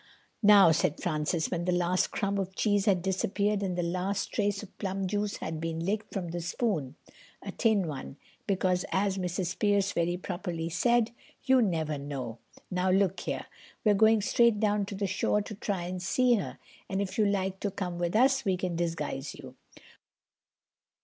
"Now," said Francis when the last crumb of cheese had disappeared and the last trace of plum juice had been licked from the spoon (a tin one, because, as Mrs. Pearce very properly said, you never know)—"now, look here. We're going straight down to the shore to try and see her. And if you like to come with us we can disguise you."